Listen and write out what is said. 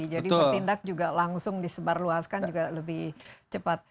jadi bertindak juga langsung disebarluaskan juga lebih cepat